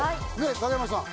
影山さん